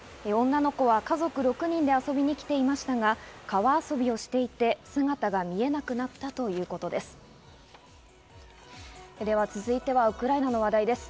女の子は家族６人で遊びに来ていましたが、川遊びをしていて、姿が見えなくなったということです。